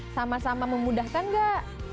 sama sama memudahkan nggak